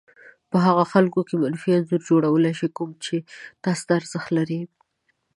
په هغو خلکو کې منفي انځور جوړولای شي کوم چې تاسې ته ارزښت لري.